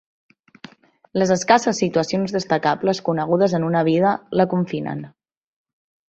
Les escasses situacions destacables conegudes en una vida la confinen.